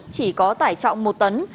chỉ có tải trọng một tấn